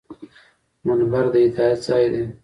منبر د هدایت ځای دی